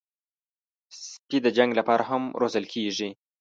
سپي د جنګ لپاره هم روزل کېږي.